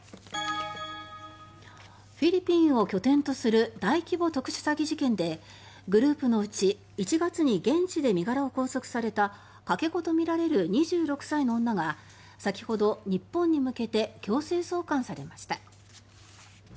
フィリピンを拠点とする大規模特殊詐欺事件でグループのうち１月に現地で身柄を拘束されたかけ子とみられる２６歳の女が先ほど、日本に向けて強制送還されました。